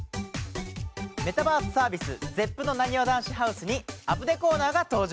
メタバースサービスＺＥＰのなにわ男子ＨＯＵＳＥに『アプデ』コーナーが登場。